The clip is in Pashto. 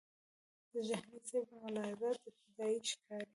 د جهانی سیب ملاحظات ابتدایي ښکاري.